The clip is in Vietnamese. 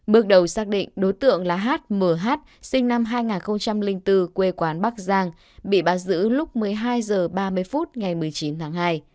bước đầu xác định đối tượng là h m h sinh năm hai nghìn bốn quê quán bắc giang bị bắt giữ lúc một mươi hai giờ ba mươi phút ngày một mươi chín tháng hai